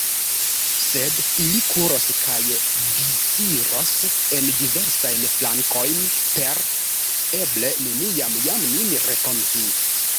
Sed ili kuros kaj disiros en diversajn flankojn, por eble neniam jam nin renkonti.